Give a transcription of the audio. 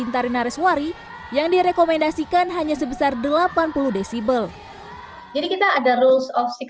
tarina reswari yang direkomendasikan hanya sebesar delapan puluh desibel jadi kita ada rules of